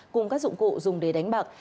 cùng các dụng cụ dùng để đánh bạc